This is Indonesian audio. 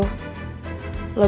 semoga dengan itu